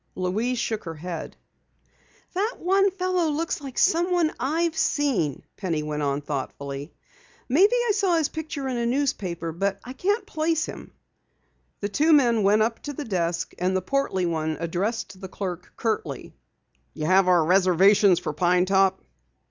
Louise shook her head. "That one fellow looks like someone I've seen," Penny went on thoughtfully. "Maybe I saw his picture in a newspaper, but I can't place him." The two men went up to the desk and the portly one addressed the clerk curtly: "You have our reservations for Pine Top?"